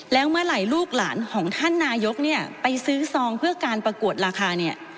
แล้วเมื่อไหร่ลูกหลานของท่านนายกเนี่ยไปซื้อซองเพื่อการประกวดราคาเนี่ย